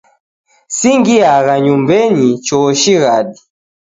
Singhiagha nyumbenyi, choo shighadi.